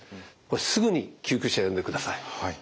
すぐに救急車呼んでください。